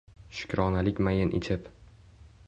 Shukronalik mayin ichib